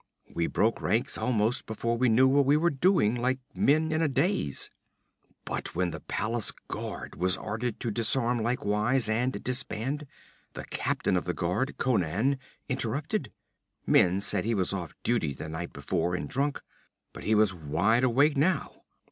We broke ranks almost before we knew what we were doing, like men in a daze. 'But when the palace guard was ordered to disarm likewise and disband, the captain of the guard, Conan, interrupted. Men said he was off duty the night before, and drunk. But he was wide awake now.